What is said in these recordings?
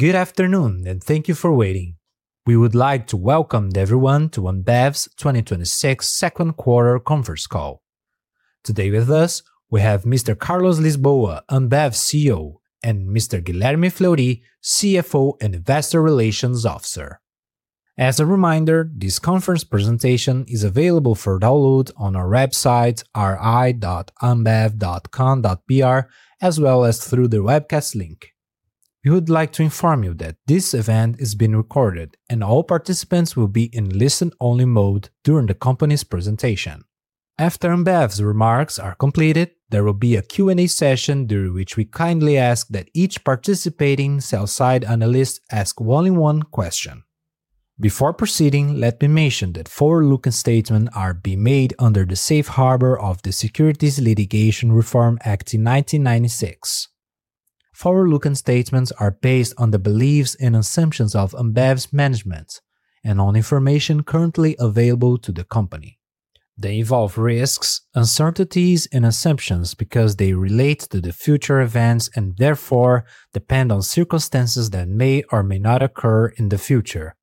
Good afternoon, and thank you for waiting. We would like to welcome everyone to Ambev's 2026 second quarter conference call. Today with us, we have Mr. Carlos Lisboa, Ambev's CEO, and Mr. Guilherme Fleury, CFO and Investor Relations Officer. As a reminder, this conference presentation is available for download on our website, ri.ambev.com.br, as well as through the webcast link. We would like to inform you that this event is being recorded and all participants will be in listen-only mode during the company's presentation. After Ambev's remarks are completed, there will be a Q&A session during which we kindly ask that each participating sell side analyst ask only one question. Before proceeding, let me mention that forward-looking statements are being made under the safe harbor of the Securities Litigation Reform Act of 1996. Forward-looking statements are based on the beliefs and assumptions of Ambev's management and on information currently available to the company. They involve risks, uncertainties, and assumptions because they relate to the future events and therefore depend on circumstances that may or may not occur in the future.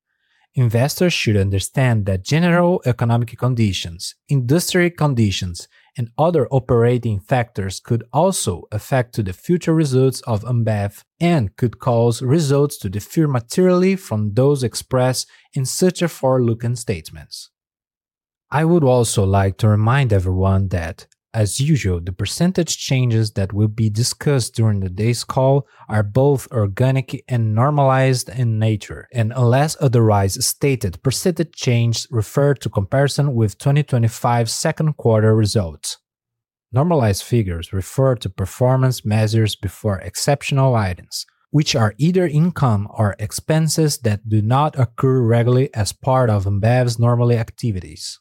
Investors should understand that general economic conditions, industry conditions, and other operating factors could also affect the future results of Ambev and could cause results to differ materially from those expressed in such forward-looking statements. I would also like to remind everyone that, as usual, the percentage changes that will be discussed during today's call are both organic and normalized in nature, and unless otherwise stated, percentage change refer to comparison with 2025's second quarter results. Normalized figures refer to performance measures before exceptional items, which are either income or expenses that do not occur regularly as part of Ambev's normal activities.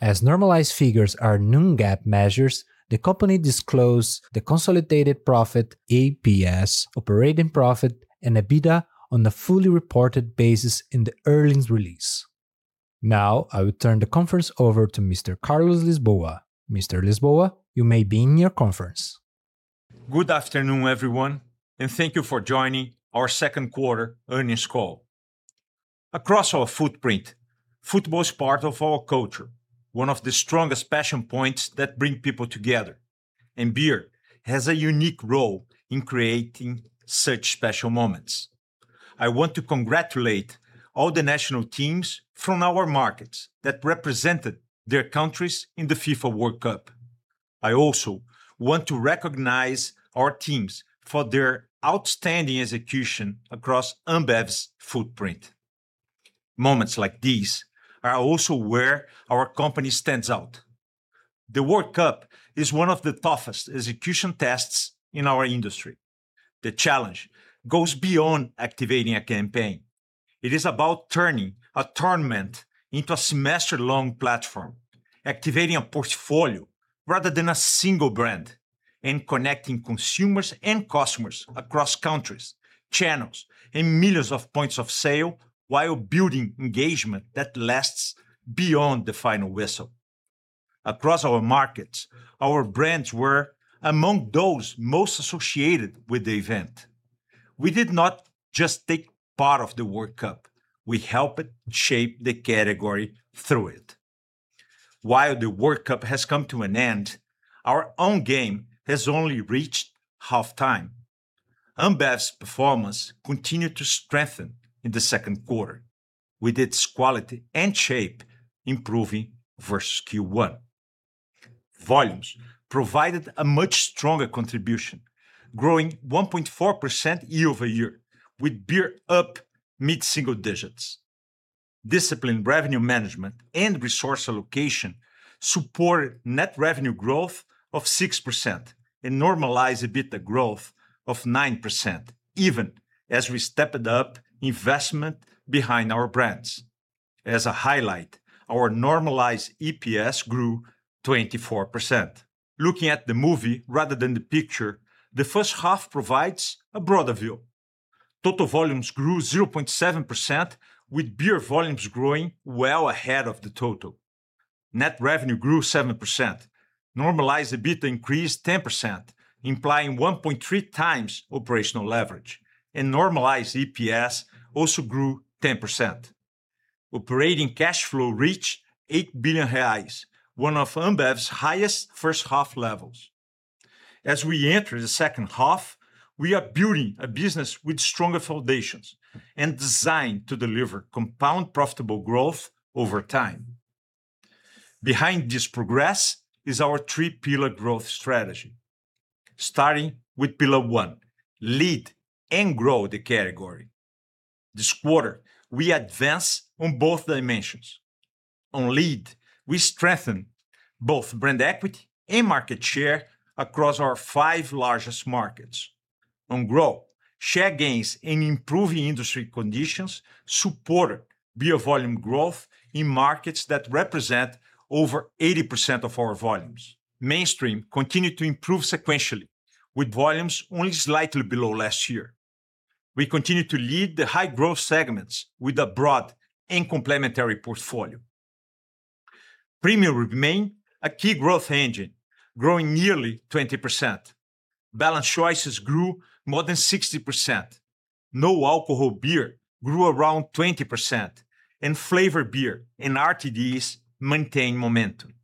As normalized figures are non-GAAP measures, the company disclosed the consolidated profit, EPS, operating profit, and EBITDA on a fully reported basis in the earnings release. I will turn the conference over to Mr. Carlos Lisboa. Mr. Lisboa, you may begin your conference. Good afternoon, everyone, and thank you for joining our second quarter earnings call. Across our footprint, football is part of our culture, one of the strongest passion points that bring people together. Beer has a unique role in creating such special moments. I want to congratulate all the national teams from our markets that represented their countries in the FIFA World Cup. I also want to recognize our teams for their outstanding execution across Ambev's footprint. Moments like these are also where our company stands out. The World Cup is one of the toughest execution tests in our industry. The challenge goes beyond activating a campaign. It is about turning a tournament into a semester-long platform, activating a portfolio rather than a single brand, and connecting consumers and customers across countries, channels, and millions of points of sale while building engagement that lasts beyond the final whistle. Across our markets, our brands were among those most associated with the event. We did not just take part of the World Cup, we helped shape the category through it. While the World Cup has come to an end, our own game has only reached halftime. Ambev's performance continued to strengthen in the second quarter, with its quality and shape improving versus Q1. Volumes provided a much stronger contribution, growing 1.4% year-over-year, with beer up mid-single digits. Disciplined revenue management and resource allocation supported net revenue growth of 6% and normalized EBITDA growth of 9%, even as we stepped up investment behind our brands. As a highlight, our normalized EPS grew 24%. Looking at the movie rather than the picture, the first half provides a broader view. Total volumes grew 0.7%, with beer volumes growing well ahead of the total. Net revenue grew 7%, normalized EBITDA increased 10%, implying 1.3x operational leverage, and normalized EPS also grew 10%. Operating cash flow reached 8 billion reais, one of Ambev's highest first-half levels. As we enter the second half, we are building a business with stronger foundations and designed to deliver compound profitable growth over time. Behind this progress is our three-pillar growth strategy. Starting with pillar one, lead and grow the category. This quarter, we advanced on both dimensions. On lead, we strengthened both brand equity and market share across our five largest markets. On growth, share gains and improving industry conditions supported beer volume growth in markets that represent over 80% of our volumes. Mainstream continued to improve sequentially, with volumes only slightly below last year. We continue to lead the high-growth segments with a broad and complementary portfolio. Premium remain a key growth engine, growing nearly 20%. Balanced Choices grew more than 60%. No alcohol beer grew around 20%, and flavor beer and RTDs maintain momentum.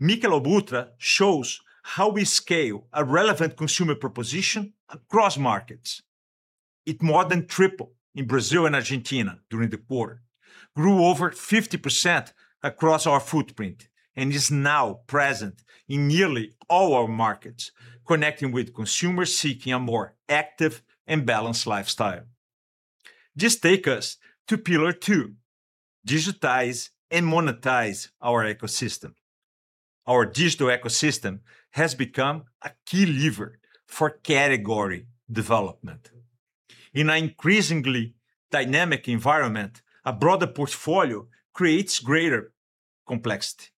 Michelob ULTRA shows how we scale a relevant consumer proposition across markets. It more than tripled in Brazil and Argentina during the quarter, grew over 50% across our footprint, and is now present in nearly all our markets, connecting with consumers seeking a more active and balanced lifestyle. This takes us to pillar two, digitize and monetize our ecosystem. Our digital ecosystem has become a key lever for category development. In an increasingly dynamic environment, a broader portfolio creates greater complexity.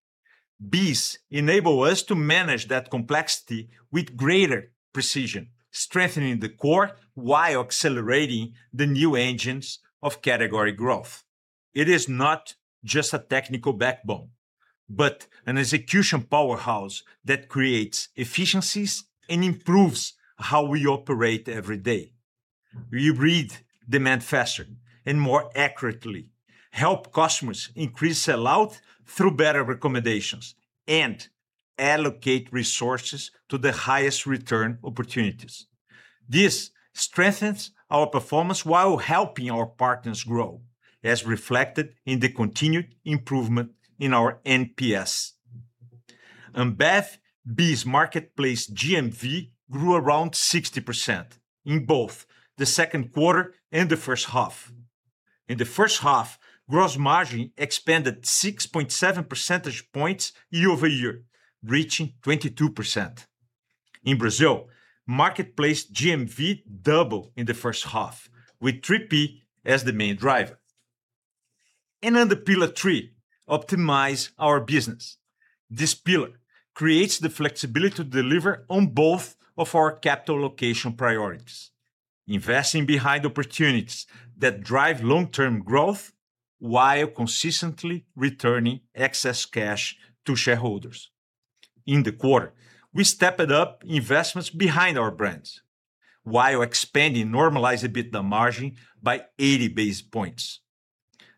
BEES enable us to manage that complexity with greater precision, strengthening the core while accelerating the new engines of category growth. It is not just a technical backbone, but an execution powerhouse that creates efficiencies and improves how we operate every day. We read demand faster and more accurately, help customers increase sell-out through better recommendations, and allocate resources to the highest return opportunities. This strengthens our performance while helping our partners grow, as reflected in the continued improvement in our NPS. Ambev BEES Marketplace GMV grew around 60% in both the second quarter and the first half. In the first half, gross margin expanded 6.7 percentage points year-over-year, reaching 22%. In Brazil, Marketplace GMV doubled in the first half, with 3P as the main driver. Under pillar three, optimize our business. This pillar creates the flexibility to deliver on both of our capital allocation priorities, investing behind opportunities that drive long-term growth while consistently returning excess cash to shareholders. In the quarter, we stepped up investments behind our brands while expanding normalized EBITDA margin by 80 basis points.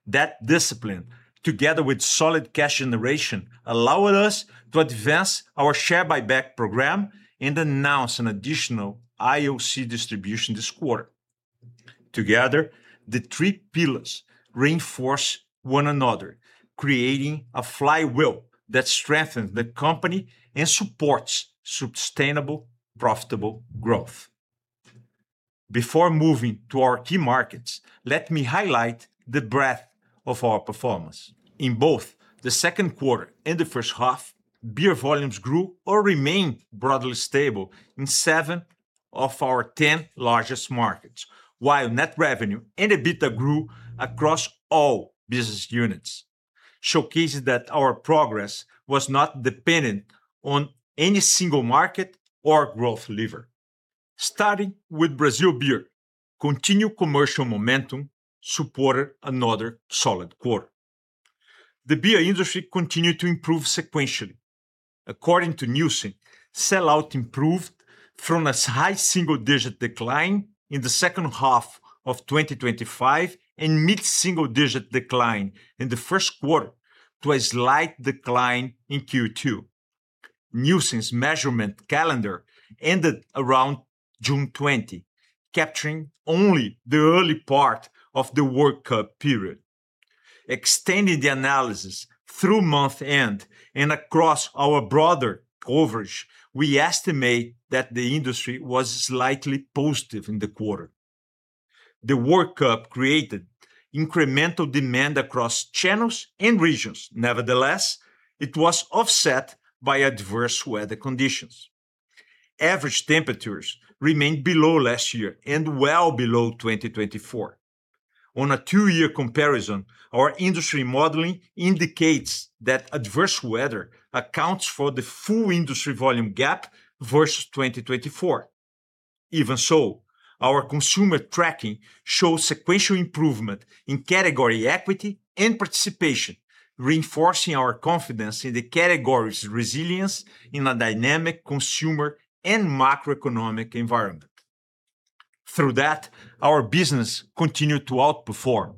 That discipline, together with solid cash generation, allowed us to advance our share buyback program and announce an additional IOC distribution this quarter. Together, the three pillars reinforce one another, creating a flywheel that strengthens the company and supports sustainable, profitable growth. Before moving to our key markets, let me highlight the breadth of our performance. In both the second quarter and the first half, beer volumes grew or remained broadly stable in seven of our 10 largest markets, while net revenue and EBITDA grew across all business units, showcasing that our progress was not dependent on any single market or growth lever. Starting with Brazil Beer. Continued commercial momentum supported another solid quarter. The beer industry continued to improve sequentially. According to Nielsen, sell-out improved from a high single-digit decline in the second half of 2025 and mid-single digit decline in the first quarter to a slight decline in Q2. Nielsen's measurement calendar ended around June 20, capturing only the early part of the World Cup period. Extending the analysis through month-end and across our broader coverage, we estimate that the industry was slightly positive in the quarter. The World Cup created incremental demand across channels and regions. Nevertheless, it was offset by adverse weather conditions. Average temperatures remained below last year and well below 2024. On a two-year comparison, our industry modeling indicates that adverse weather accounts for the full industry volume gap versus 2024. Even so, our consumer tracking shows sequential improvement in category equity and participation, reinforcing our confidence in the category's resilience in a dynamic consumer and macroeconomic environment. Through that, our business continued to outperform.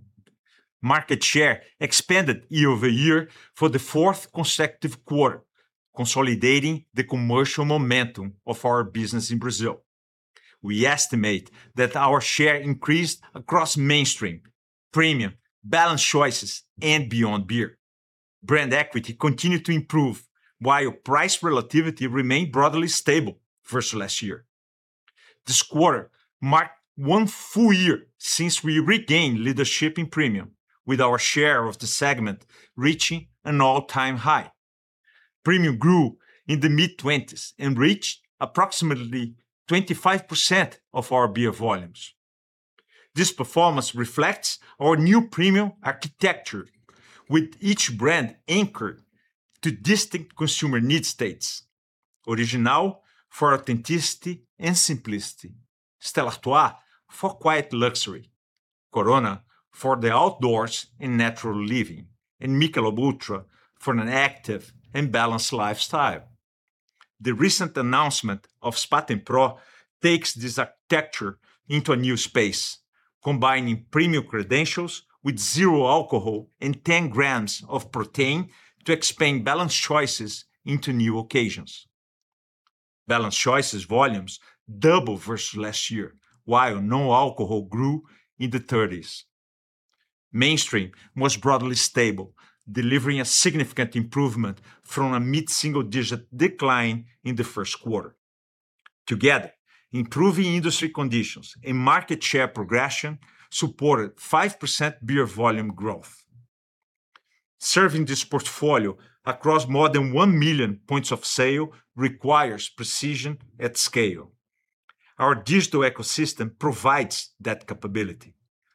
Market share expanded year-over-year for the fourth consecutive quarter, consolidating the commercial momentum of our business in Brazil. We estimate that our share increased across Mainstream, Premium, Balanced Choices, and Beyond Beer. Brand equity continued to improve while price relativity remained broadly stable versus last year. This quarter marked one full year since we regained leadership in premium, with our share of the segment reaching an all-time high. Premium grew in the mid-20s and reached approximately 25% of our beer volumes. This performance reflects our new premium architecture, with each brand anchored to distinct consumer need states. Original for authenticity and simplicity. Stella Artois for quiet luxury. Corona for the outdoors and natural living. Michelob ULTRA for an active and balanced lifestyle. The recent announcement of Spaten Pro takes this architecture into a new space, combining premium credentials with zero alcohol and 10 g of protein to expand Balanced Choices into new occasions. Balanced Choices volumes double versus last year, while no alcohol grew in the 30%s. Mainstream was broadly stable, delivering a significant improvement from a mid-single-digit decline in the first quarter. Together, improving industry conditions and market share progression supported 5% beer volume growth. Serving this portfolio across more than one million points of sale requires precision at scale. Our digital ecosystem provides that capability.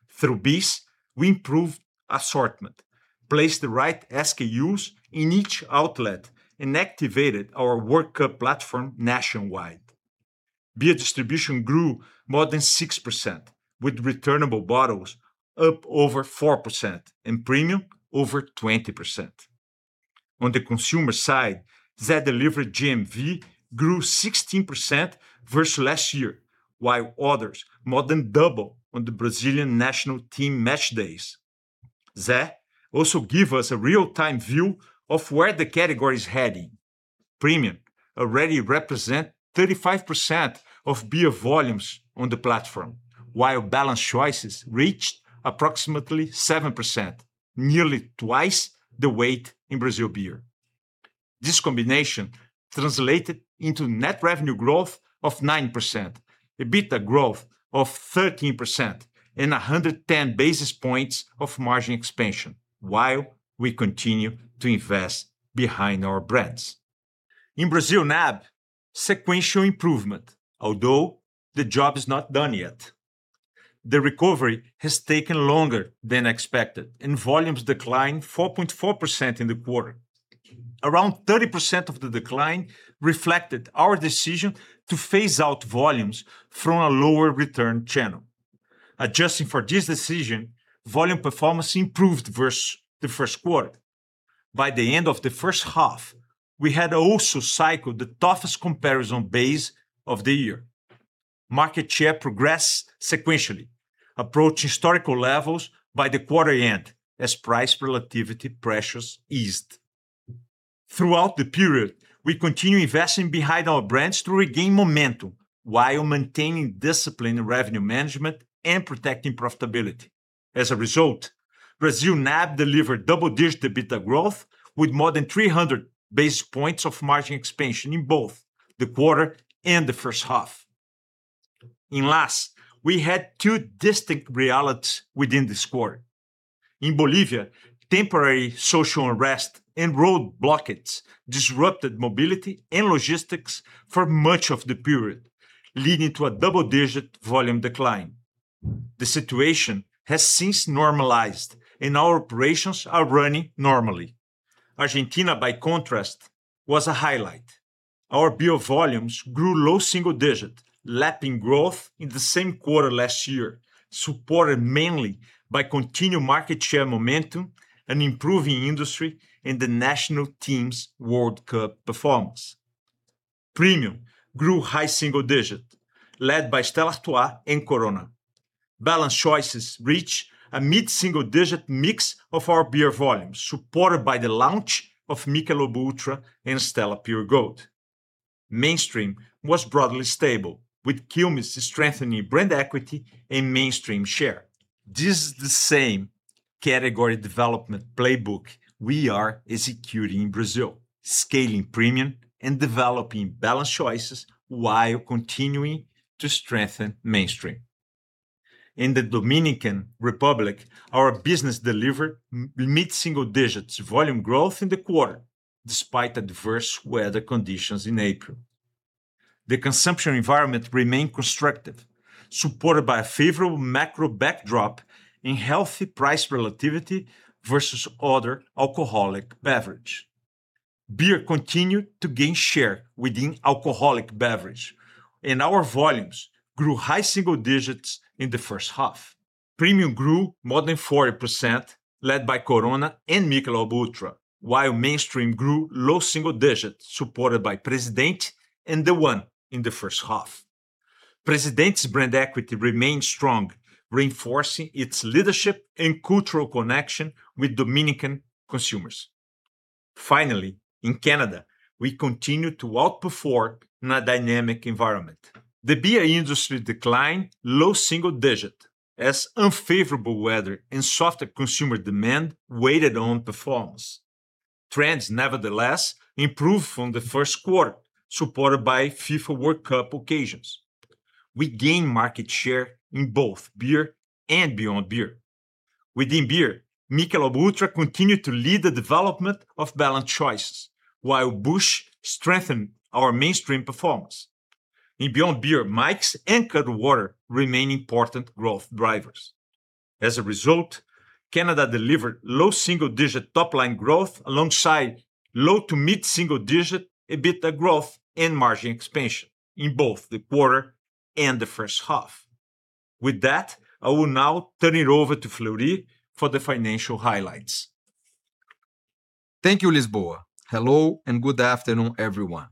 Through BEES, we improved assortment, placed the right SKUs in each outlet, and activated our World Cup platform nationwide. Beer distribution grew more than 6%, with returnable bottles up over 4% and Premium over 20%. On the consumer side, Zé Delivery GMV grew 16% versus last year, while orders more than double on the Brazilian national team match days. Zé also give us a real-time view of where the category is heading. Premium already represent 35% of beer volumes on the platform, while Balanced Choices reached approximately 7%, nearly twice the weight in Brazil Beer. This combination translated into net revenue growth of 9%, EBITDA growth of 13%, and 110 basis points of margin expansion while we continue to invest behind our brands. In Brazil NAB, sequential improvement, although the job is not done yet. The recovery has taken longer than expected, and volumes declined 4.4% in the quarter. Around 30% of the decline reflected our decision to phase out volumes from a lower return channel. Adjusting for this decision, volume performance improved versus the first quarter. By the end of the first half, we had also cycled the toughest comparison base of the year. Market share progressed sequentially, approaching historical levels by the quarter end as price relativity pressures eased. Throughout the period, we continue investing behind our brands to regain momentum while maintaining discipline in revenue management and protecting profitability. As a result, Brazil NAB delivered double-digit EBITDA growth with more than 300 basis points of margin expansion in both the quarter and the first half. Last, we had two distinct realities within this quarter. In Bolivia, temporary social unrest and road blockades disrupted mobility and logistics for much of the period, leading to a double-digit volume decline. The situation has since normalized, and our operations are running normally. Argentina, by contrast, was a highlight. Our beer volumes grew low double digits, lapping growth in the same quarter last year, supported mainly by continued market share momentum and improving industry and the national team's World Cup performance. Premium grew high single digit, led by Stella Artois and Corona. Balanced Choices reached a mid-single-digit mix of our beer volumes, supported by the launch of Michelob ULTRA and Stella Pure Gold. Mainstream was broadly stable, with Quilmes strengthening brand equity and mainstream share. This is the same category development playbook we are executing in Brazil, scaling premium and developing Balanced Choices while continuing to strengthen mainstream. In the Dominican Republic, our business delivered mid-single-digit volume growth in the quarter, despite adverse weather conditions in April. The consumption environment remained constructive, supported by a favorable macro backdrop and healthy price relativity versus other alcoholic beverage. Beer continued to gain share within alcoholic beverage. Our volumes grew high single digits in the first half. Premium grew more than 40%, led by Corona and Michelob ULTRA, while mainstream grew low single digits, supported by Presidente and The One in the first half. Presidente's brand equity remains strong, reinforcing its leadership and cultural connection with Dominican consumers. Finally, in Canada, we continue to outperform in a dynamic environment. The beer industry declined low single-digit as unfavorable weather and softer consumer demand weighted on performance. Trends, nevertheless, improved from the first quarter, supported by FIFA World Cup occasions. We gained market share in both beer and beyond beer. Within beer, Michelob ULTRA continued to lead the development of Balanced Choices, while Busch strengthened our Mainstream performance. In Beyond Beer, Mike's and Cutwater remain important growth drivers. As a result, Canada delivered low single-digit top-line growth alongside low to mid-single digit EBITDA growth and margin expansion in both the quarter and the first half. With that, I will now turn it over to Fleury for the financial highlights. Thank you, Lisboa. Hello and good afternoon, everyone.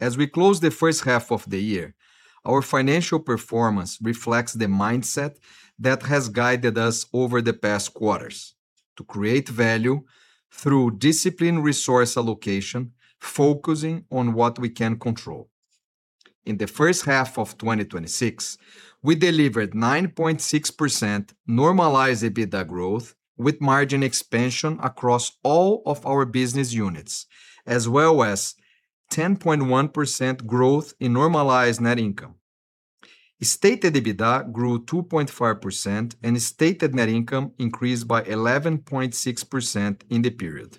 As we close the first half of the year, our financial performance reflects the mindset that has guided us over the past quarters to create value through disciplined resource allocation, focusing on what we can control. In the first half of 2026, we delivered 9.6% normalized EBITDA growth with margin expansion across all of our business units, as well as 10.1% growth in normalized net income. Stated EBITDA grew 2.5% and stated net income increased by 11.6% in the period.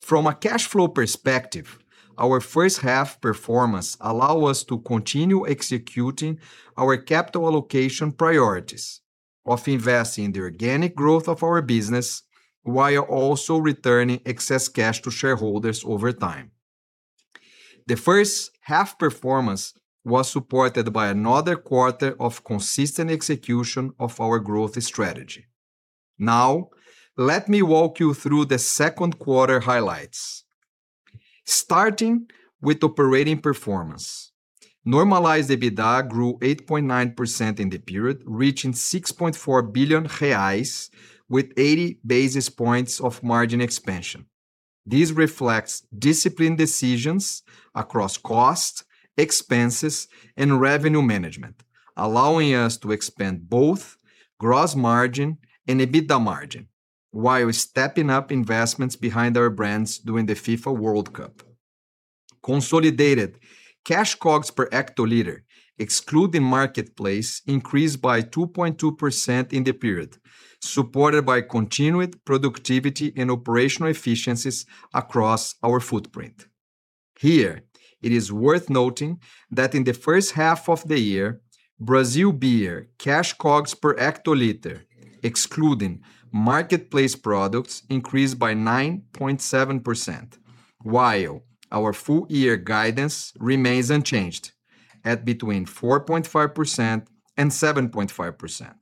From a cash flow perspective, our first half performance allow us to continue executing our capital allocation priorities of investing in the organic growth of our business, while also returning excess cash to shareholders over time. The first half performance was supported by another quarter of consistent execution of our growth strategy. Let me walk you through the second quarter highlights. Starting with operating performance. Normalized EBITDA grew 8.9% in the period, reaching 6.4 billion reais, with 80 basis points of margin expansion. These reflect disciplined decisions across cost, expenses, and revenue management, allowing us to expand both gross margin and EBITDA margin, while stepping up investments behind our brands during the FIFA World Cup. Consolidated cash COGS per hectoliter, excluding marketplace, increased by 2.2% in the period, supported by continued productivity and operational efficiencies across our footprint. Here, it is worth noting that in the first half of the year, Brazil Beer cash COGS per hectoliter, excluding marketplace products, increased by 9.7%, while our full-year guidance remains unchanged, at between 4.5% and 7.5%.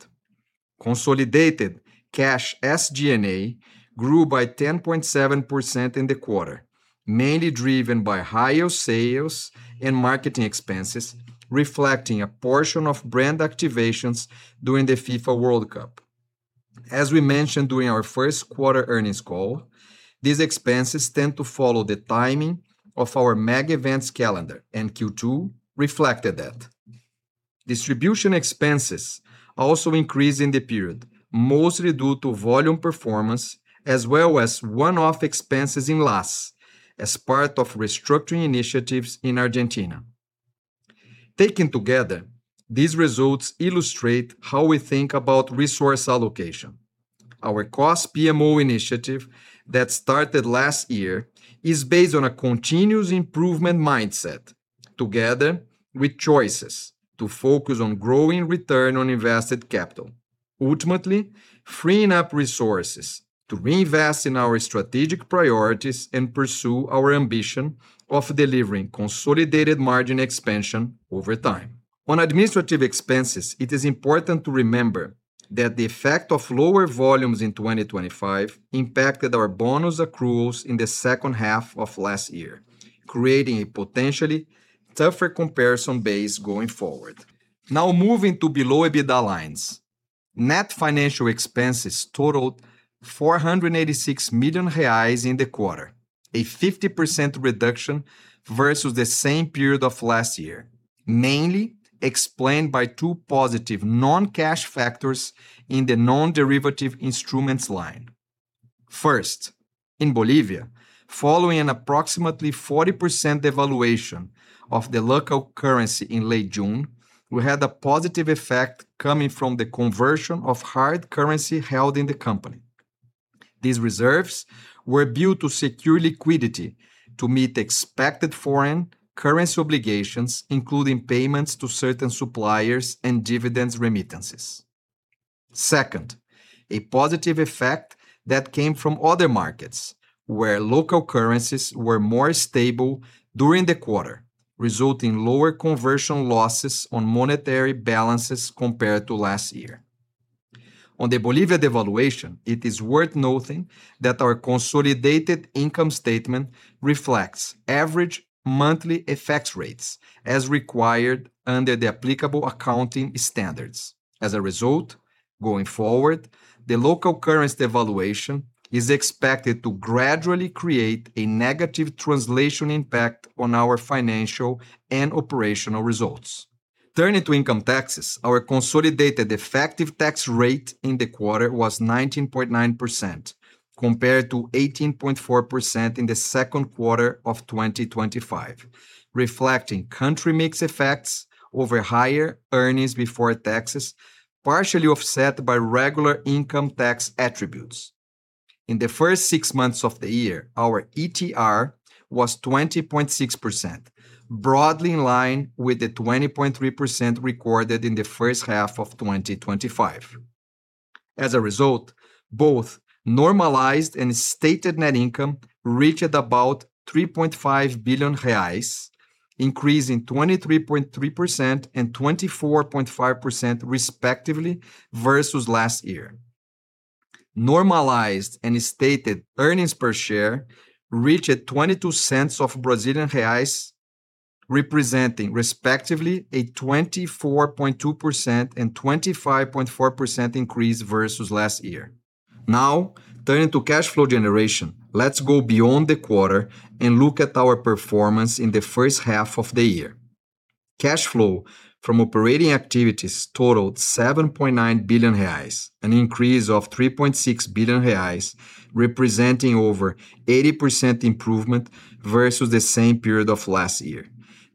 Consolidated cash SG&A grew by 10.7% in the quarter, mainly driven by higher sales and marketing expenses, reflecting a portion of brand activations during the FIFA World Cup. As we mentioned during our first quarter earnings call, these expenses tend to follow the timing of our meg events calendar, and Q2 reflected that. Distribution expenses also increased in the period, mostly due to volume performance as well as one-off expenses in LAS as part of restructuring initiatives in Argentina. Taken together, these results illustrate how we think about resource allocation. Our cost PMO initiative that started last year is based on a continuous improvement mindset, together with choices to focus on growing return on invested capital, ultimately freeing up resources to reinvest in our strategic priorities and pursue our ambition of delivering consolidated margin expansion over time. On administrative expenses, it is important to remember that the effect of lower volumes in 2025 impacted our bonus accruals in the second half of last year, creating a potentially tougher comparison base going forward. Moving to below EBITDA lines. Net financial expenses totaled 486 million reais in the quarter, a 50% reduction versus the same period of last year, mainly explained by two positive non-cash factors in the non-derivative instruments line. First, in Bolivia, following an approximately 40% devaluation of the local currency in late June, we had a positive effect coming from the conversion of hard currency held in the company. These reserves were built to secure liquidity to meet expected foreign currency obligations, including payments to certain suppliers and dividends remittances. Second, a positive effect that came from other markets where local currencies were more stable during the quarter, resulting in lower conversion losses on monetary balances compared to last year. On the Bolivia devaluation, it is worth noting that our consolidated income statement reflects average monthly effects rates as required under the applicable accounting standards. Going forward, the local currency devaluation is expected to gradually create a negative translation impact on our financial and operational results. Turning to income taxes, our consolidated effective tax rate in the quarter was 19.9%, compared to 18.4% in the second quarter of 2025, reflecting country mix effects over higher earnings before taxes, partially offset by regular income tax attributes. In the first six months of the year, our ETR was 20.6%, broadly in line with the 20.3% recorded in the first half of 2025. Both normalized and stated net income reached about 3.5 billion reais, increasing 23.3% and 24.5% respectively versus last year. Normalized and stated earnings per share reached BRL 0.22, representing respectively a 24.2% and 25.4% increase versus last year. Turning to cash flow generation, let's go beyond the quarter and look at our performance in the first half of the year. Cash flow from operating activities totaled 7.9 billion reais, an increase of 3.6 billion reais, representing over 80% improvement versus the same period of last year.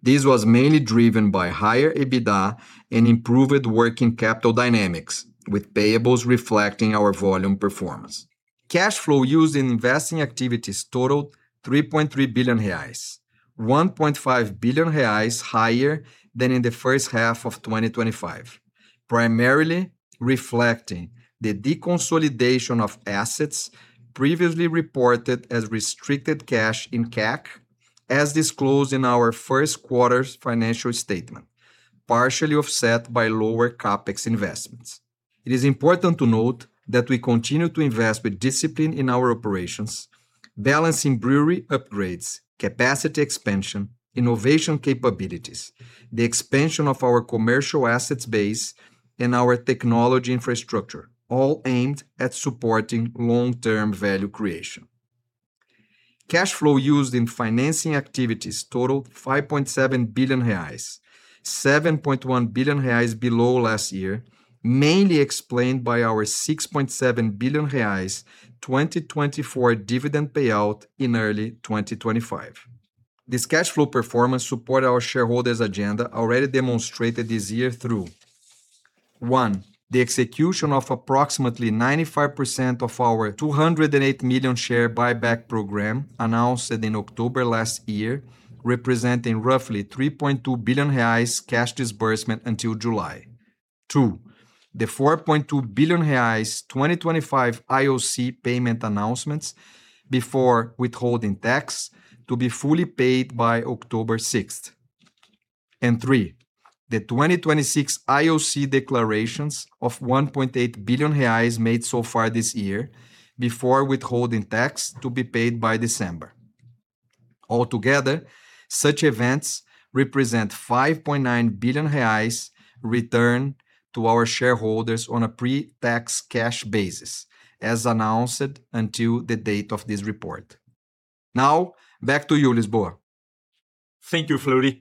This was mainly driven by higher EBITDA and improved working capital dynamics, with payables reflecting our volume performance. Cash flow used in investing activities totaled 3.3 billion reais, 1.5 billion reais higher than in the first half of 2025, primarily reflecting the deconsolidation of assets previously reported as restricted cash in CAC, as disclosed in our first quarter's financial statement, partially offset by lower CapEx investments. It is important to note that we continue to invest with discipline in our operations, balancing brewery upgrades, capacity expansion, innovation capabilities, the expansion of our commercial assets base, and our technology infrastructure, all aimed at supporting long-term value creation. Cash flow used in financing activities totaled 5.7 billion reais, 7.1 billion reais below last year, mainly explained by our 6.7 billion reais 2024 dividend payout in early 2025. This cash flow performance support our shareholders' agenda already demonstrated this year through, one, the execution of approximately 95% of our 208 million share buyback program announced in October last year, representing roughly 3.2 billion reais cash disbursement until July. Two, the 4.2 billion reais 2025 IOC payment announcements before withholding tax to be fully paid by October 6th. Three, the 2026 IOC declarations of 1.8 billion reais made so far this year before withholding tax to be paid by December. Altogether, such events represent 5.9 billion reais return to our shareholders on a pre-tax cash basis, as announced until the date of this report. Back to you, Lisboa. Thank you, Fleury.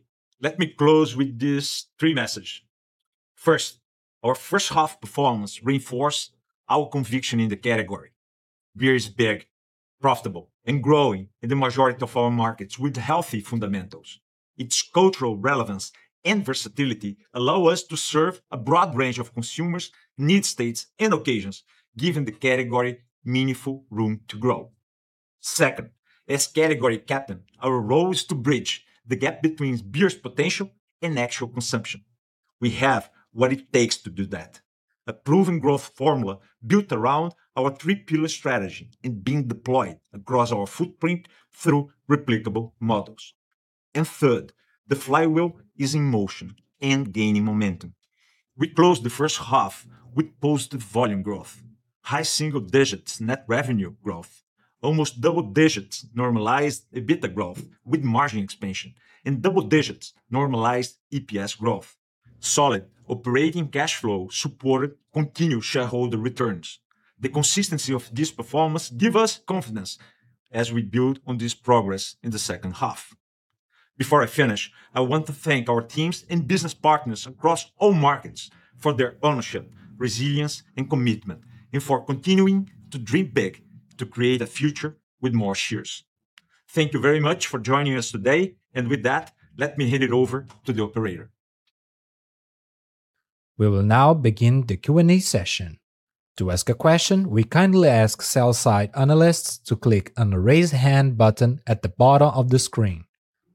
Let me close with these three messages. First, our first half performance reinforced our conviction in the category. Beer is big, profitable, and growing in the majority of our markets with healthy fundamentals. Its cultural relevance and versatility allow us to serve a broad range of consumers' need states and occasions, giving the category meaningful room to grow. Second, as category captain, our role is to bridge the gap between beer's potential and actual consumption. We have what it takes to do that. A proven growth formula built around our three pillar strategy and being deployed across our footprint through replicable models. Third, the flywheel is in motion and gaining momentum. We closed the first half with positive volume growth, high single digits net revenue growth, almost double digits normalized EBITDA growth with margin expansion, and double digits normalized EPS growth. Solid operating cash flow supported continued shareholder returns. The consistency of this performance gives us confidence as we build on this progress in the second half. Before I finish, I want to thank our teams and business partners across all markets for their ownership, resilience, and commitment, and for continuing to dream big to create a future with more cheers. Thank you very much for joining us today. With that, let me hand it over to the operator. We will now begin the Q&A session. To ask a question, we kindly ask sell-side analysts to click on the Raise Hand button at the bottom of the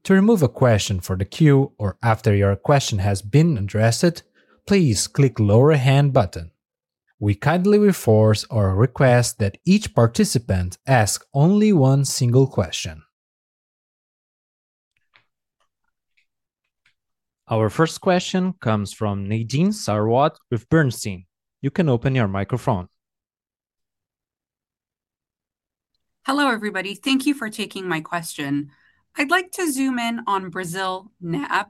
screen. To remove a question from the queue or after your question has been addressed, please click Lower Hand button. We kindly reinforce our request that each participant ask only one single question. Our first question comes from Nadine Sarwat with Bernstein. You can open your microphone. Hello, everybody. Thank you for taking my question. I'd like to zoom in on Brazil NAB,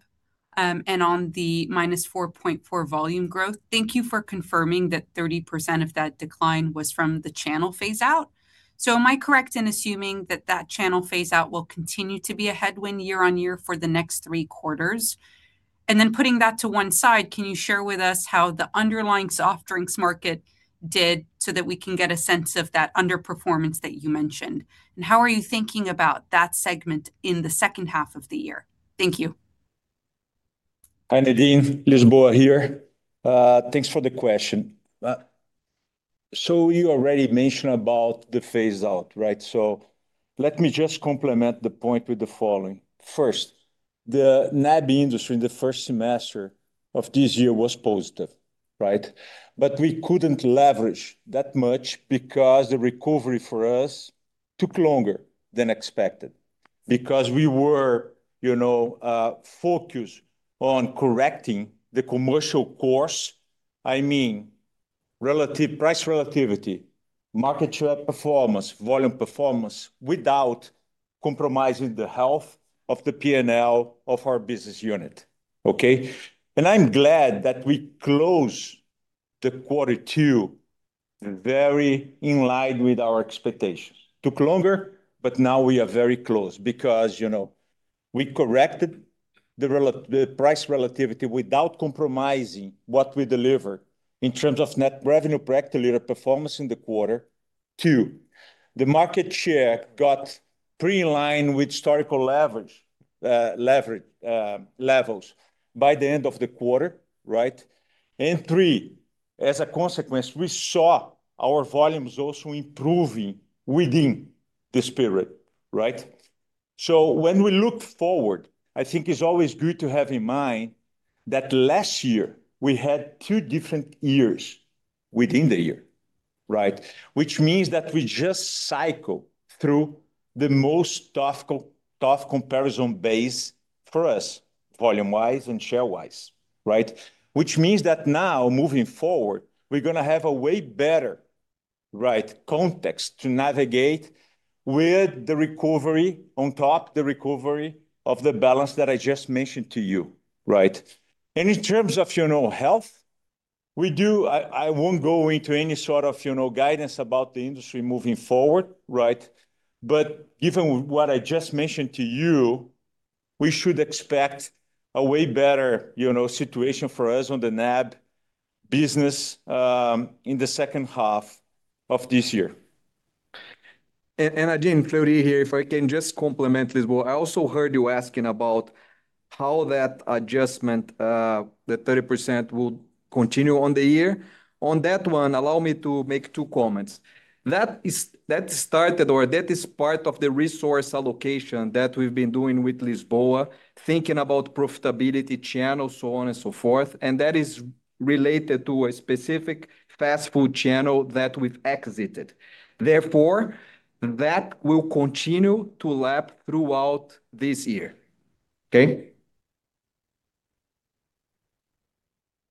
and on the -4.4% volume growth. Thank you for confirming that 30% of that decline was from the channel phase out. Am I correct in assuming that that channel phase out will continue to be a headwind year-over-year for the next three quarters? Putting that to one side, can you share with us how the underlying soft drinks market did so that we can get a sense of that underperformance that you mentioned? How are you thinking about that segment in the second half of the year? Thank you. Hi, Nadine. Lisboa here. Thanks for the question. You already mentioned about the phase out, right? Let me just complement the point with the following. First, the NAB industry in the first semester of this year was positive. We couldn't leverage that much because the recovery for us took longer than expected because we were focused on correcting the commercial course. I mean, price relativity, market share performance, volume performance, without compromising the health of the P&L of our business unit. Okay? I'm glad that we closed quarter two very in line with our expectations. Took longer, now we are very close because we corrected the price relativity without compromising what we deliver in terms of net revenue per hectolitre performance in the quarter. Two, the market share got pretty in line with historical levels by the end of the quarter. Right? Three, as a consequence, we saw our volumes also improving within this period. Right? When we look forward, I think it's always good to have in mind that last year we had two different years within the year. Right? Which means that we just cycled through the most tough comparison base for us volume wise and share wise. Right? Which means that now moving forward, we're going to have a way better context to navigate with the recovery on top, the recovery of the balance that I just mentioned to you. Right? In terms of health, I won't go into any sort of guidance about the industry moving forward. Given what I just mentioned to you, we should expect a way better situation for us on the NAB business in the second half of this year. Nadine, Fleury here. If I can just complement Lisboa. I also heard you asking about how that adjustment, the 30%, will continue on the year. On that one, allow me to make two comments. That started or that is part of the resource allocation that we've been doing with Lisboa, thinking about profitability channels, so on and so forth, and that is related to a specific fast food channel that we've exited. Therefore, that will continue to lap throughout this year. Okay?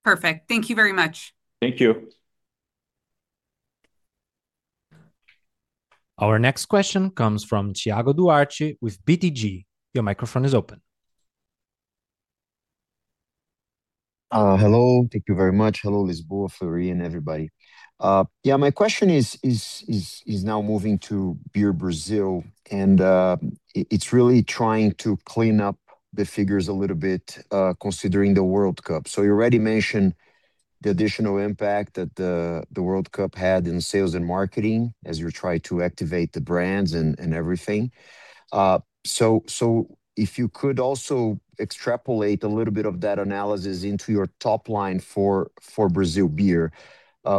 Perfect. Thank you very much. Thank you. Our next question comes from Thiago Duarte with BTG. Your microphone is open. Hello. Thank you very much. Hello, Lisboa, Fleury, and everybody. My question is now moving to Beer, Brazil, and it is really trying to clean up the figures a little bit, considering the World Cup. You already mentioned the additional impact that the World Cup had in sales and marketing as you try to activate the brands and everything. If you could also extrapolate a little bit of that analysis into your top line for Brazil Beer,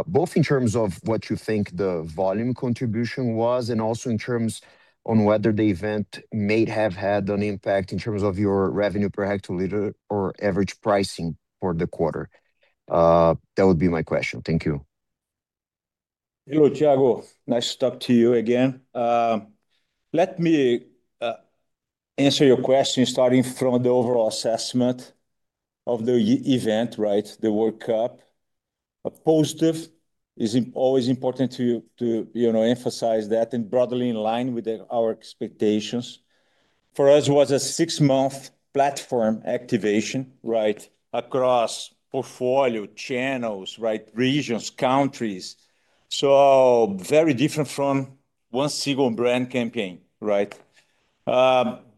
both in terms of what you think the volume contribution was and also in terms on whether the event may have had an impact in terms of your revenue per hectoliter or average pricing for the quarter. That would be my question. Thank you. Hello, Thiago. Nice to talk to you again. Let me answer your question starting from the overall assessment of the event, the World Cup. A positive is always important to emphasize that and broadly in line with our expectations. For us, it was a six-month platform activation across portfolio, channels, regions, countries. Very different from one single brand campaign. Broad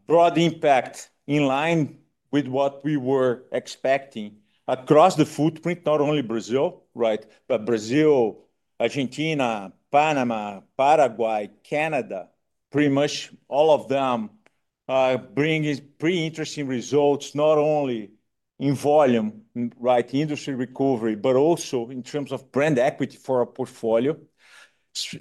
impact in line with what we were expecting across the footprint. Not only Brazil, but Brazil, Argentina, Panama, Paraguay, Canada, pretty much all of them bringing pretty interesting results, not only in volume, industry recovery, but also in terms of brand equity for our portfolio.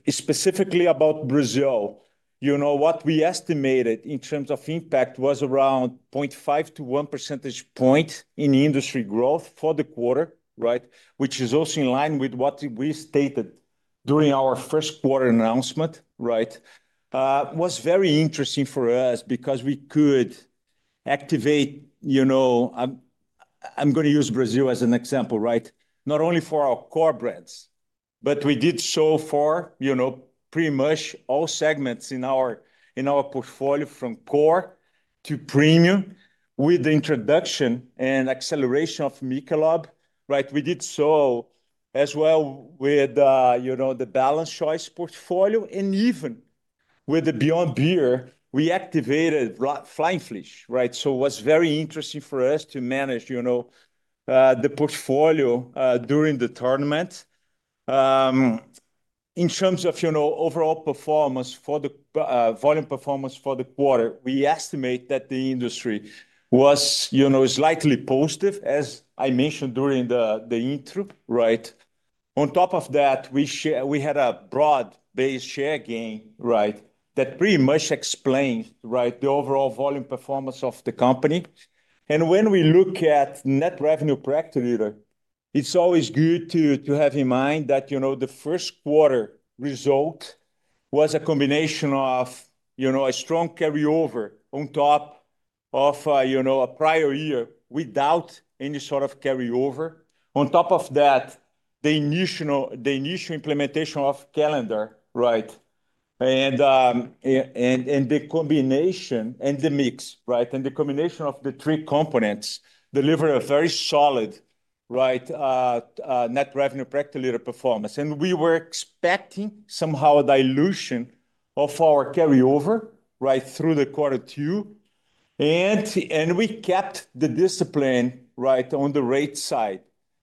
Specifically about Brazil, what we estimated in terms of impact was around 0.5 to 1 percentage point in industry growth for the quarter, which is also in line with what we stated during our first quarter announcement. It was very interesting for us because we could activate, I'm going to use Brazil as an example. Not only for our core brands, but we did so for pretty much all segments in our portfolio, from core to premium, with the introduction and acceleration of Michelob. We did so as well with the Balanced Choice portfolio, and even with the Beyond Beer, we activated Flying Fish. It was very interesting for us to manage the portfolio during the tournament. In terms of overall volume performance for the quarter, we estimate that the industry was slightly positive, as I mentioned during the intro. On top of that, we had a broad-based share gain that pretty much explained the overall volume performance of the company. When we look at net revenue per hectoliter, it's always good to have in mind that the first quarter result was a combination of a strong carryover on top of a prior year without any sort of carryover. On top of that, the initial implementation of calendar, and the mix. The combination of the three components deliver a very solid net revenue per hectoliter performance. We were expecting somehow a dilution of our carryover through the quarter two, and we kept the discipline on the rate side.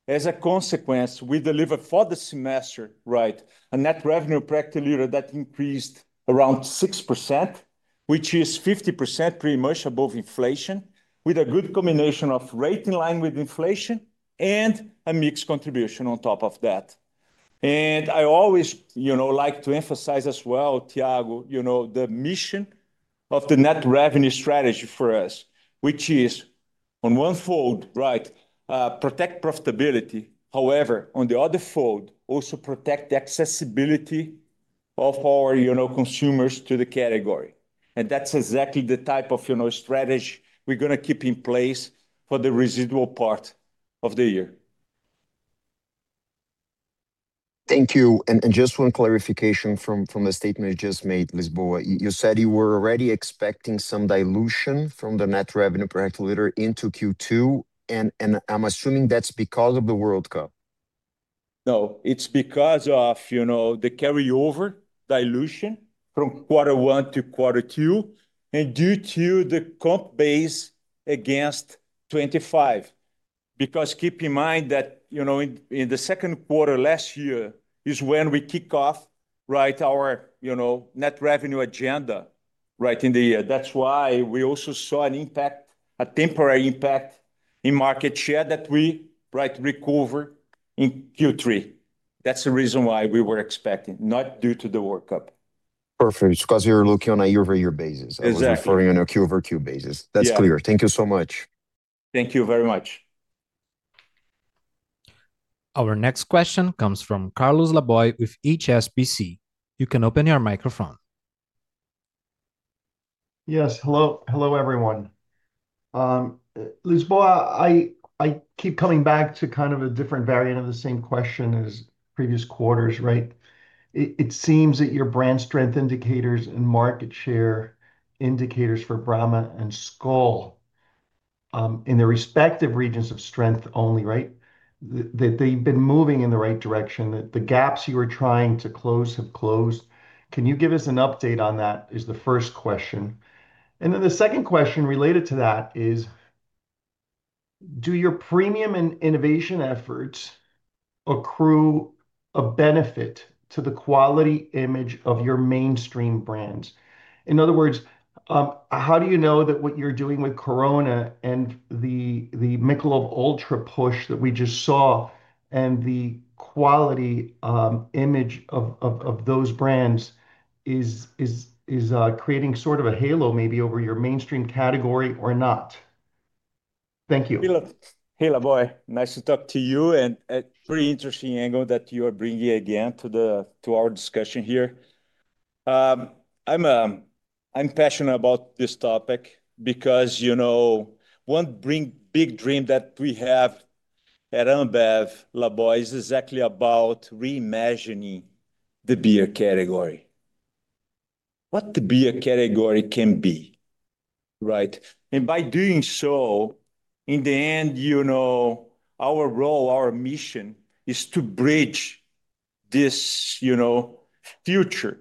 As a consequence, we delivered for the semester a net revenue per hectoliter that increased around 6%, which is 50% pretty much above inflation, with a good combination of rate in line with inflation and a mix contribution on top of that. I always like to emphasize as well, Thiago, the mission of the net revenue strategy for us, which is on one fold, protect profitability. However, on the other fold, also protect the accessibility of our consumers to the category. That's exactly the type of strategy we're going to keep in place for the residual part of the year. Thank you. Just one clarification from the statement you just made, Lisboa. You said you were already expecting some dilution from the net revenue per hectoliter into Q2, and I'm assuming that's because of the World Cup. No. It's because of the carryover dilution from quarter one to quarter two and due to the comp base against 2025. Keep in mind that in the second quarter last year is when we kick off our net revenue agenda in the year. That's why we also saw a temporary impact in market share that we recover in Q3. That's the reason why we were expecting, not due to the World Cup. Perfect. It's because you're looking on a year-over-year basis. Exactly. I was referring on a Q-over-Q basis. Yeah. That's clear. Thank you so much. Thank you very much. Our next question comes from Carlos Laboy with HSBC. You can open your microphone. Yes. Hello, everyone. Lisboa, I keep coming back to kind of a different variant of the same question as previous quarters. It seems that your brand strength indicators and market share indicators for Brahma and Skol in their respective regions of strength only, that they've been moving in the right direction, that the gaps you were trying to close have closed. Can you give us an update on that? Is the first question. The second question related to that is, do your premium and innovation efforts accrue a benefit to the quality image of your mainstream brands? In other words, how do you know that what you're doing with Corona and the Michelob ULTRA push that we just saw and the quality image of those brands is creating sort of a halo maybe over your mainstream category or not? Thank you. Hey, Laboy. Nice to talk to you. A pretty interesting angle that you are bringing again to our discussion here. I'm passionate about this topic because one big dream that we have at Ambev, Laboy, is exactly about reimagining the beer category. What the beer category can be. By doing so, in the end, our role, our mission is to bridge this future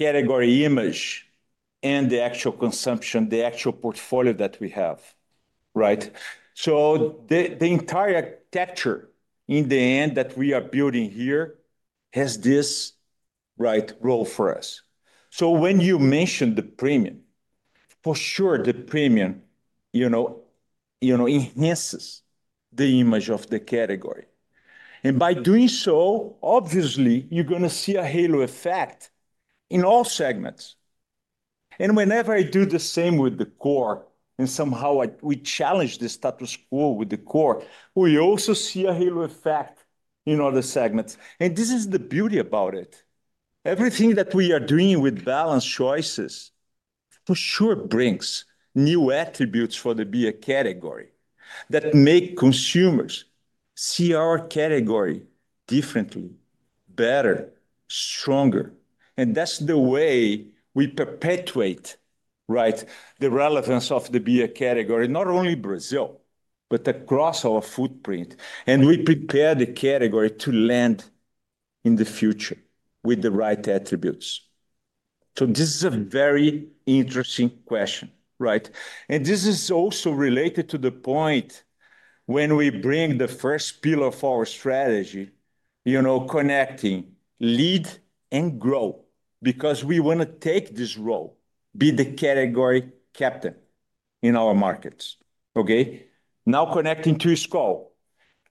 category image and the actual consumption, the actual portfolio that we have. The entire architecture in the end that we are building here has this role for us. When you mention the premium, for sure the premium enhances the image of the category. By doing so, obviously you're going to see a halo effect in all segments. Whenever I do the same with the core, and somehow we challenge the status quo with the core, we also see a halo effect in all the segments. This is the beauty about it. Everything that we are doing with Balanced Choices for sure brings new attributes for the beer category that make consumers see our category differently, better, stronger. That's the way we perpetuate the relevance of the beer category, not only Brazil, but across our footprint, and we prepare the category to land in the future with the right attributes. This is a very interesting question, right? This is also related to the point when we bring the first pillar of our strategy, connecting, lead and grow, because we want to take this role, be the category captain in our markets. Okay? Now connecting to Skol.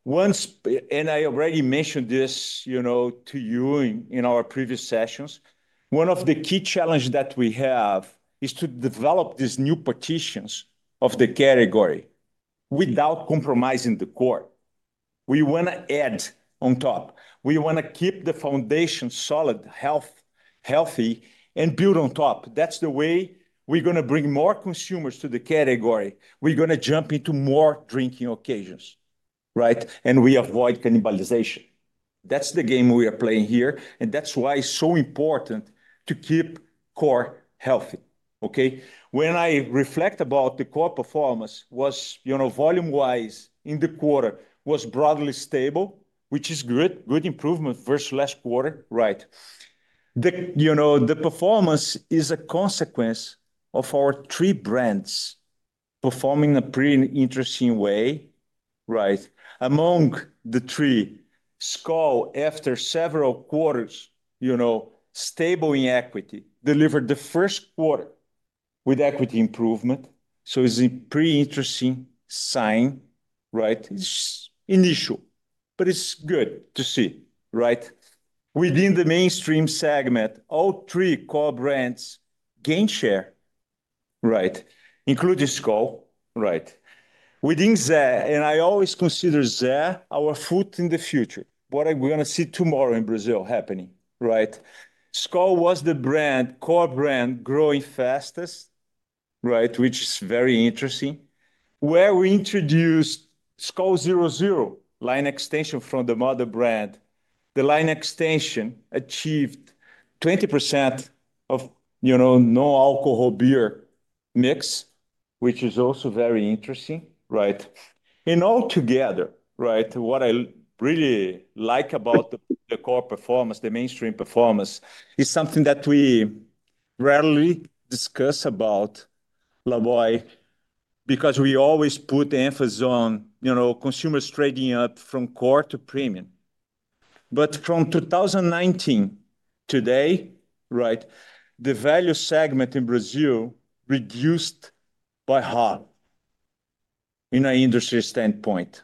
I already mentioned this to you in our previous sessions. One of the key challenges that we have is to develop these new partitions of the category without compromising the core. We want to add on top. We want to keep the foundation solid, healthy, and build on top. That's the way we're going to bring more consumers to the category. We're going to jump into more drinking occasions, right? We avoid cannibalization. That's the game we are playing here, and that's why it's so important to keep core healthy. Okay? When I reflect about the core performance was volume wise in the quarter was broadly stable, which is good. Good improvement versus last quarter, right? The performance is a consequence of our three brands performing a pretty interesting way, right? Among the three, Skol, after several quarters stable in equity, delivered the first quarter with equity improvement. It's a pretty interesting sign, right? It's initial, but it's good to see, right? Within the mainstream segment, all three core brands gain share, right? Including Skol, right. Within Zé, I always consider Zé our foot in the future. What are we going to see tomorrow in Brazil happening, right? Skol was the brand, core brand growing fastest, right, which is very interesting, where we introduced Skol Zero Zero line extension from the mother brand. The line extension achieved 20% of no alcohol beer mix, which is also very interesting, right? All together, right, what I really like about the core performance, the Mainstream performance, is something that we rarely discuss about, Laboy, because we always put emphasis on consumers trading up from core to premium. From 2019 today, right, the value segment in Brazil reduced by half in an industry standpoint.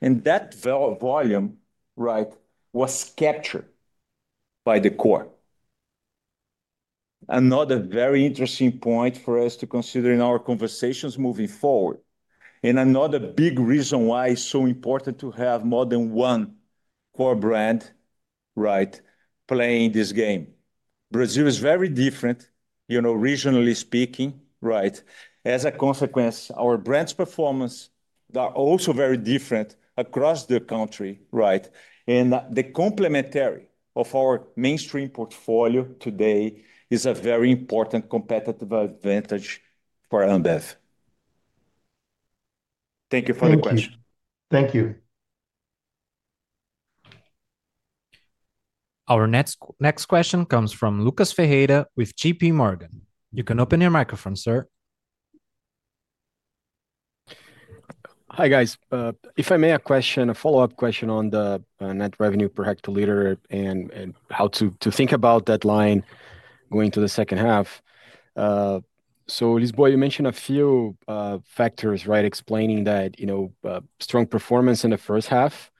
That volume, right, was captured by the core. Another very interesting point for us to consider in our conversations moving forward, and another big reason why it is so important to have more than one core brand, right, playing this game. Brazil is very different regionally speaking, right? As a consequence, our brands' performance are also very different across the country, right? The complementary of our mainstream portfolio today is a very important competitive advantage for Ambev. Thank you for the question. Thank you. Our next question comes from Lucas Ferreira with JPMorgan. You can open your microphone, sir. Hi, guys. If I may, a question, a follow-up question on the net revenue per hectoliter and how to think about that line going to the second half. Lisboa, you mentioned a few factors, right, explaining that strong performance in the first half.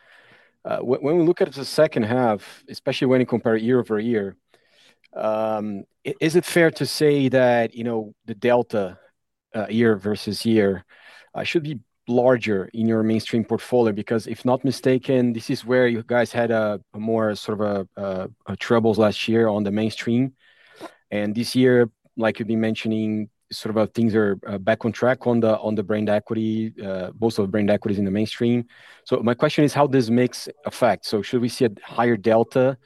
When we look at the second half, especially when you compare year-over-year, is it fair to say that the delta year versus year should be larger in your mainstream portfolio? If not mistaken, this is where you guys had a more sort of troubles last year on the mainstream. This year, like you've been mentioning, sort of things are back on track on both of brand equities in the mainstream. My question is how this mix affect. Should we see a higher delta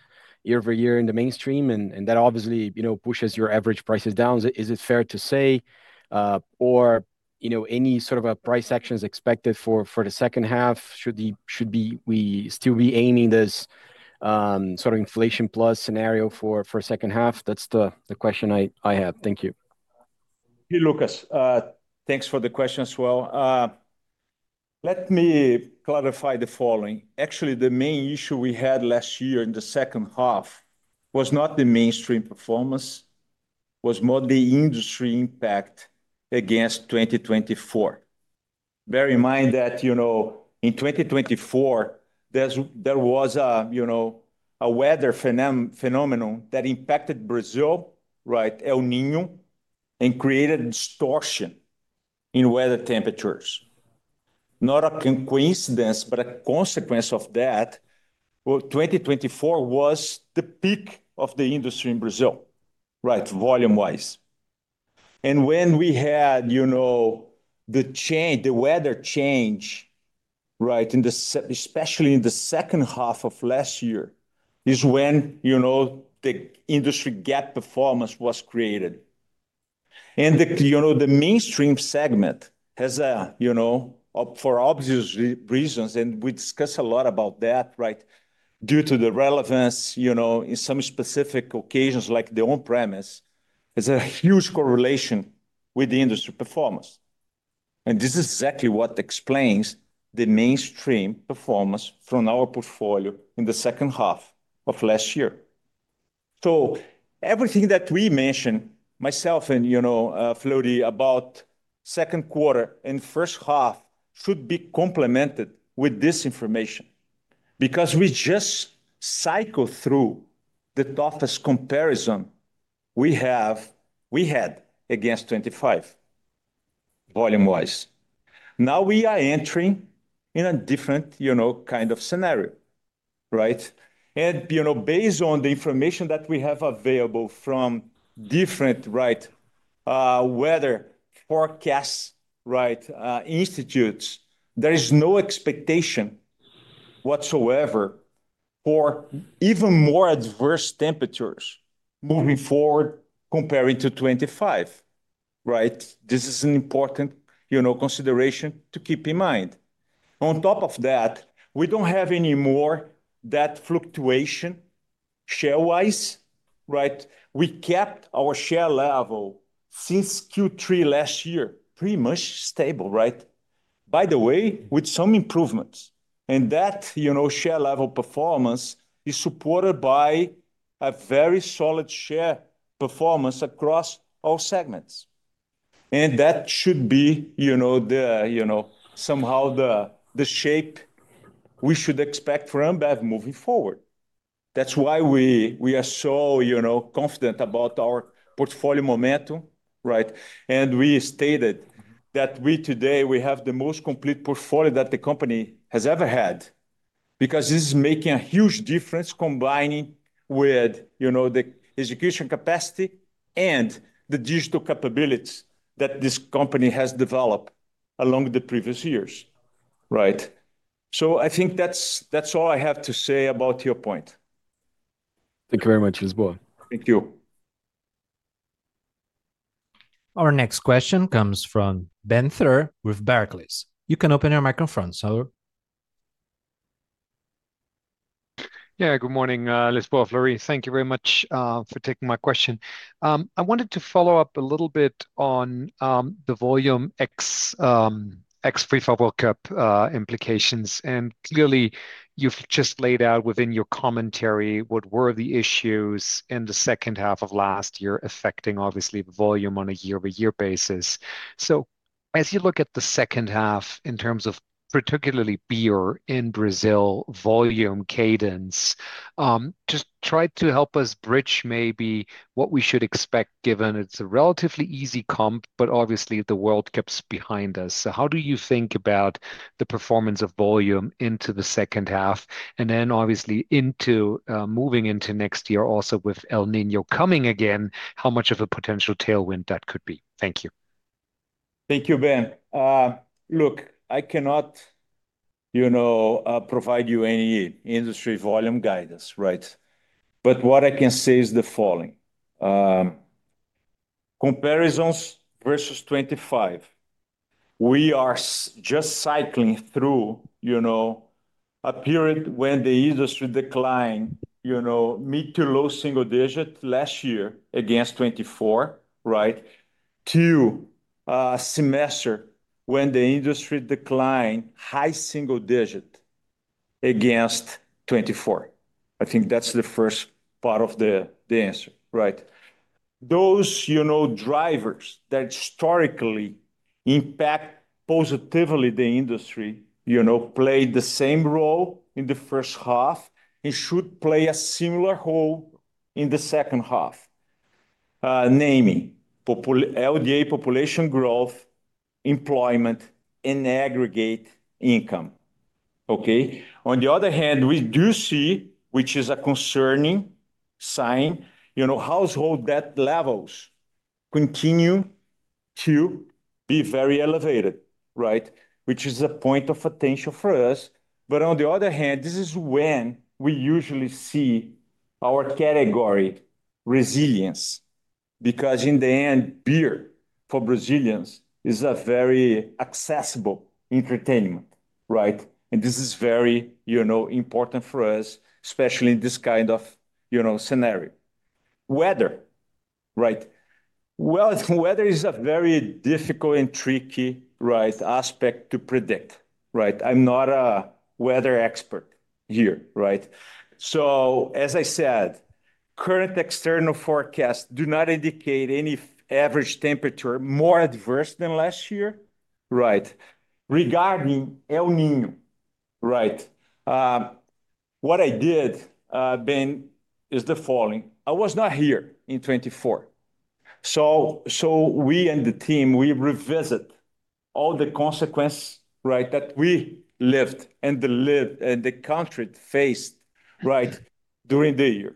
year-over-year in the mainstream? That obviously pushes your average prices down. Is it fair to say? Or any sort of a price actions expected for the second half? Should we still be aiming this sort of inflation plus scenario for second half? That's the question I have. Thank you. Hey, Lucas. Thanks for the question as well. Let me clarify the following. Actually, the main issue we had last year in the second half was not the mainstream performance, was more the industry impact against 2024. Bear in mind that in 2024, there was a weather phenomenon that impacted Brazil, El Niño, and created distortion in weather temperatures. Not a coincidence, but a consequence of that, well, 2024 was the peak of the industry in Brazil, volume wise. When we had the weather change, especially in the second half of last year, is when the industry gap performance was created. The mainstream segment has, for obvious reasons, and we discuss a lot about that. Due to the relevance, in some specific occasions, like the on-premise, there's a huge correlation with the industry performance. This is exactly what explains the mainstream performance from our portfolio in the second half of last year. Everything that we mentioned, myself and Fleury, about second quarter and first half should be complemented with this information, because we just cycled through the toughest comparison we had against 2025, volume wise. Now we are entering in a different kind of scenario. Based on the information that we have available from different weather forecasts institutes, there is no expectation whatsoever for even more adverse temperatures moving forward comparing to 2025. This is an important consideration to keep in mind. On top of that, we don't have any more of that fluctuation share wise. We kept our share level since Q3 last year pretty much stable. By the way, with some improvements. That share level performance is supported by a very solid share performance across all segments. That should be somehow the shape we should expect from Ambev moving forward. That's why we are so confident about our portfolio momentum. We stated that today, we have the most complete portfolio that the company has ever had, because this is making a huge difference combining with the execution capacity and the digital capabilities that this company has developed along the previous years. I think that's all I have to say about your point. Thank you very much, Lisboa. Thank you. Our next question comes from Ben Theurer with Barclays. You can open your microphone, sir. Yeah, good morning, Lisboa, Fleury. Thank you very much for taking my question. I wanted to follow up a little bit on the volume ex-FIFA World Cup implications. Clearly, you've just laid out within your commentary what were the issues in the second half of last year affecting, obviously, the volume on a year-over-year basis. As you look at the second half in terms of particularly beer in Brazil, volume cadence, just try to help us bridge maybe what we should expect given it's a relatively easy comp, but obviously the World Cup's behind us. How do you think about the performance of volume into the second half? Then obviously moving into next year also with El Niño coming again, how much of a potential tailwind that could be? Thank you. Thankyou Ben. I cannot provide you any industry volume guidance. What I can say is the following. Comparisons versus 2025. We are just cycling through a period when the industry declined mid to low single digit last year against 2024, to a semester when the industry declined high single digit against 2024. I think that's the first part of the answer. Those drivers that historically impact positively the industry, played the same role in the first half and should play a similar role in the second half. Namely, LDA population growth, employment, and aggregate income. Okay? We do see, which is a concerning sign, household debt levels continue to be very elevated. Which is a point of attention for us. This is when we usually see our category resilience, because in the end, beer for Brazilians is a very accessible entertainment. This is very important for us, especially in this kind of scenario. Weather. Weather is a very difficult and tricky aspect to predict. I'm not a weather expert here. As I said, current external forecasts do not indicate any average temperature more adverse than last year. Regarding El Niño. What I did, Ben, is the following. I was not here in 2024. We and the team, we revisit all the consequences that we lived and the country faced during the year.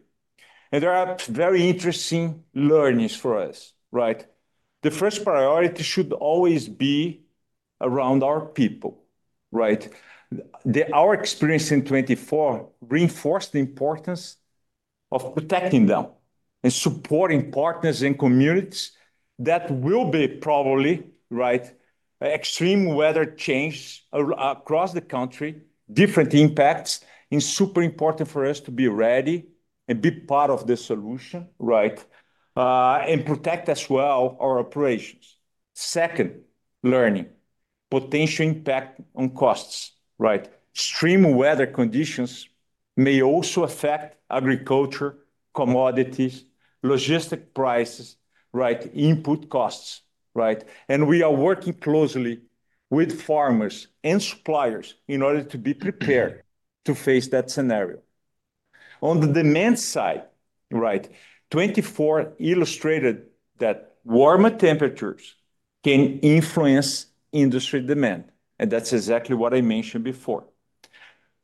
There are very interesting learnings for us. The first priority should always be around our people. Our experience in 2024 reinforced the importance of protecting them and supporting partners and communities. That will be probably extreme weather changes across the country, different impacts. It's super important for us to be ready and be part of the solution, and protect as well our operations. Second, learning. Potential impact on costs. Extreme weather conditions may also affect agriculture, commodities, logistics prices, input costs. We are working closely with farmers and suppliers in order to be prepared to face that scenario. On the demand side, 2024 illustrated that warmer temperatures can influence industry demand. That's exactly what I mentioned before.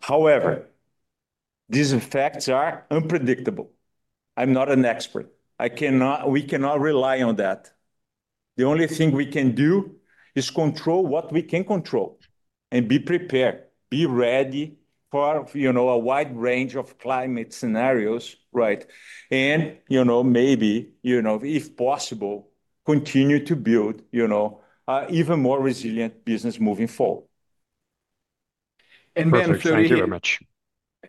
However, these effects are unpredictable. I'm not an expert. We cannot rely on that. The only thing we can do is control what we can control and be prepared, be ready for a wide range of climate scenarios. Maybe, if possible, continue to build even more resilient business moving forward. Perfect. Thank you very much.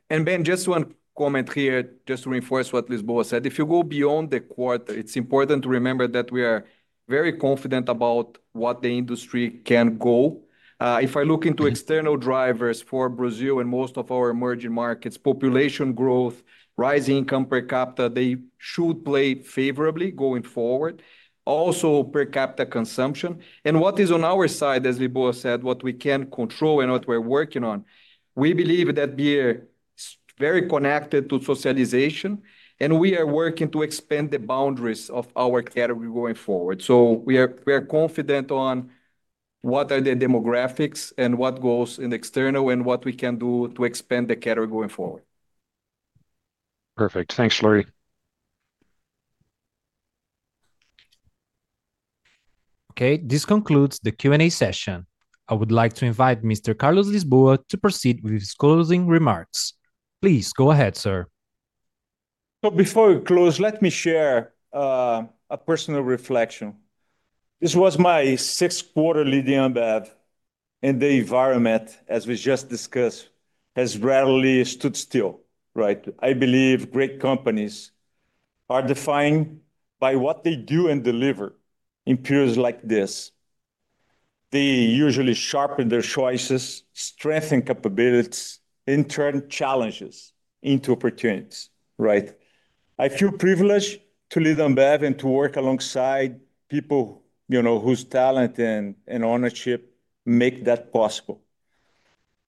Ben, just one comment here just to reinforce what Lisboa said. If you go beyond the quarter, it's important to remember that we are very confident about what the industry can go. If I look into external drivers for Brazil and most of our emerging markets, population growth, rising income per capita, they should play favorably going forward. Also, per capita consumption. What is on our side, as Lisboa said, what we can control and what we're working on, we believe that beer is very connected to socialization, and we are working to expand the boundaries of our category going forward. We are confident on what are the demographics and what goes in external, and what we can do to expand the category going forward. Perfect. Thanks, Fleury. Okay, this concludes the Q&A session. I would like to invite Mr. Carlos Lisboa to proceed with his closing remarks. Please go ahead, sir. Before we close, let me share a personal reflection. This was my sixth quarter leading Ambev, and the environment, as we just discussed, has rarely stood still. I believe great companies are defined by what they do and deliver in periods like this. They usually sharpen their choices, strengthen capabilities, and turn challenges into opportunities. I feel privileged to lead Ambev and to work alongside people whose talent and ownership make that possible.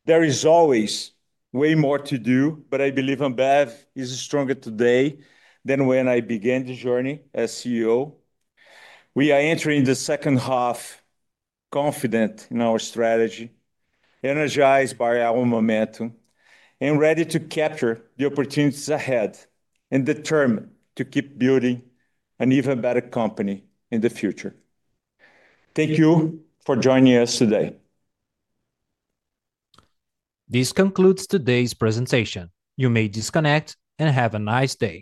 There is always way more to do, but I believe Ambev is stronger today than when I began the journey as CEO. We are entering the second half confident in our strategy, energized by our momentum, and ready to capture the opportunities ahead, and determined to keep building an even better company in the future. Thank you for joining us today. This concludes today's presentation. You may disconnect and have a nice day.